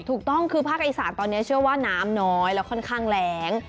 ถูกต้องคือภาคอีสานตอนนี้เชื่อว่าน้ำน้อยแล้วค่อนข้างแรง